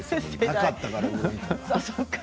なかったから。